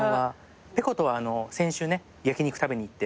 ｐｅｃｏとは先週ね焼き肉食べに行って。